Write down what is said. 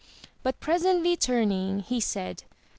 But presently turning he said.